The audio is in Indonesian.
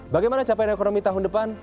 bagaimana capaian ekonomi tahun depan